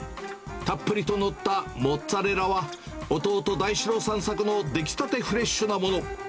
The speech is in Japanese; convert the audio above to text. たっぷりと載ったモッツァレラは、弟、大志郎さん作の出来たてフレッシュなもの。